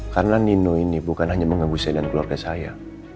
karena nino ini bukan hanya mengganggu saya dan keluarga saya